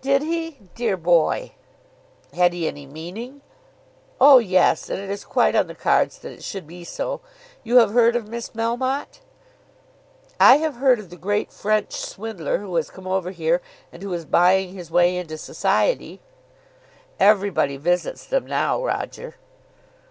"Did he; dear boy!" "Had he any meaning?" "Oh; yes. And it is quite on the cards that it should be so. You have heard of Miss Melmotte." "I have heard of the great French swindler who has come over here, and who is buying his way into society." "Everybody visits them now, Roger."